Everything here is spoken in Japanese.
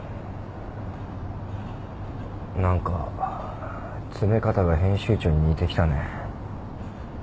何か詰め方が編集長に似てきたね。